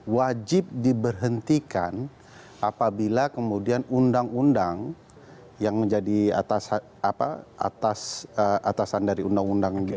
wajib diberhentikan apabila kemudian undang undang yang menjadi atasan dari undang undang